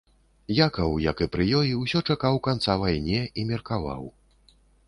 Якаў, як і пры ёй, усё чакаў канца вайне і меркаваў.